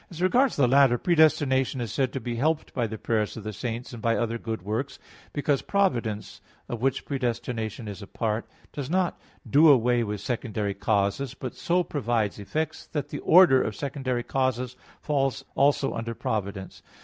As regards the latter, predestination is said to be helped by the prayers of the saints, and by other good works; because providence, of which predestination is a part, does not do away with secondary causes but so provides effects, that the order of secondary causes falls also under providence.